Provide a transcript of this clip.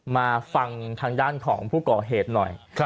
มาฟังทางด้านของผู้ก่อเหตุหน่อย